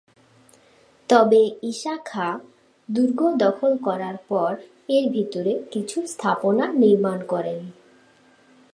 তবে ঈশা খাঁ দুর্গ দখল করার পর এর ভিতরে কিছু স্থাপনা নির্মাণ করেন।